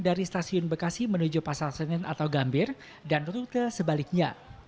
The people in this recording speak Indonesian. dari stasiun bekasi menuju pasar senen atau gambir dan rute sebaliknya